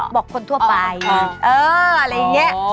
บอกคนทั่วไปอะไรอย่างเงี้ย